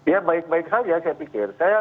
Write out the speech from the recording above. ya baik baik saja saya pikir